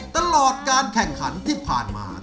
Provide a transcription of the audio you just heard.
ตลอดการแข่งขันที่ผ่านมา